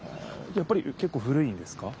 やっぱりけっこう古いんですか？